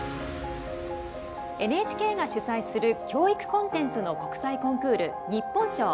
ＮＨＫが主催する教育コンテンツの国際コンクール日本賞。